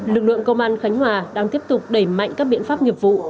lực lượng công an khánh hòa đang tiếp tục đẩy mạnh các biện pháp nghiệp vụ